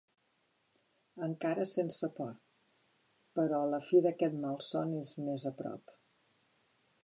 Encara sense port, però la fi d’aquest malson és més a prop.